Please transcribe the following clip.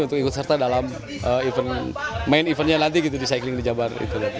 untuk ikut serta dalam event main eventnya nanti gitu di cycling di jabar